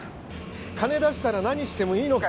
金出したら何してもいいのかよ。